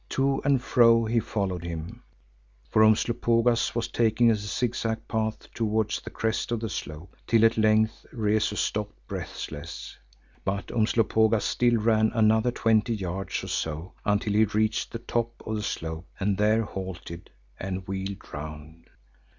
To and fro he followed him, for Umslopogaas was taking a zig zag path towards the crest of the slope, till at length Rezu stopped breathless. But Umslopogaas still ran another twenty yards or so until he reached the top of the slope and there halted and wheeled round.